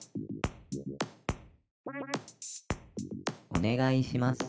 「お願いします」。